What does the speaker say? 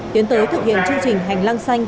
tiến tới thực hiện chương trình hành lang xanh